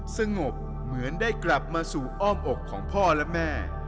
สงบเหมือนได้กลับมาสู่อ้อมอกของพ่อและแม่